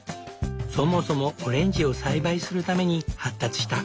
そもそもオレンジを栽培するために発達した。